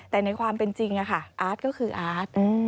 แต่ในความเป็นจริงอาร์ตก็คืออาร์ต